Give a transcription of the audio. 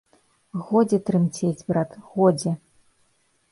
Годзе трымцець, брат, годзе!